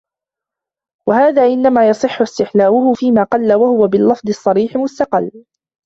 وَهَذَا إنَّمَا يَصِحُّ اسْتِحْلَاؤُهُ فِيمَا قَلَّ وَهُوَ بِاللَّفْظِ الصَّرِيحِ مُسْتَقَلٌّ